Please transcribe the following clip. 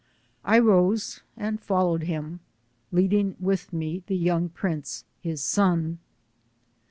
I rose and followed him, leading with me the young prince, his bod.